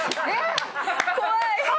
怖い！